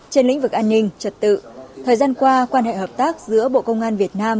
trên lĩnh vực an ninh trật tự thời gian qua quan hệ hợp tác giữa bộ công an việt nam